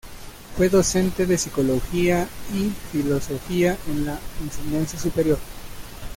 Fue docente de psicología y filosofía en la enseñanza superior.